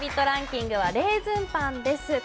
ランキングはレーズンパンです。